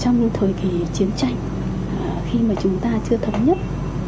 trong thời kỳ chiến tranh khi mà chúng ta chưa thống nhất